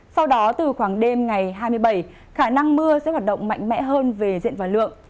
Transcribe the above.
sau đó từ khoảng đêm ngày hai mươi bảy khả năng mưa sẽ hoạt động mạnh mẽ hơn về diện và lượng